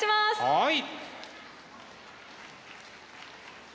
はい。